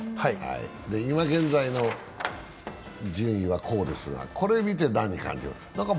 今現在の順位はこうですが、これ見て何感じますか？